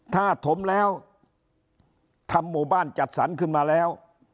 ถ้าถมแล้วทำหมู่บ้านจัดสรรขึ้นมาแล้ว